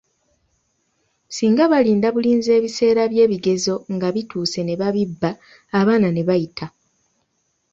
Singa balinda bulinzi ebiseera bye bigezo nga bituuse ne babibba abaana ne babiyita.